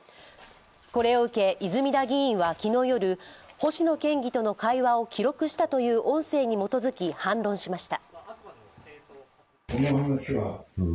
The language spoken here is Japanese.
これを受け泉田議員は昨日夜、星野県議との会話を記録したという音声に基づき反論しました。